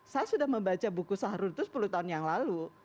saya sudah membaca buku sahrul itu sepuluh tahun yang lalu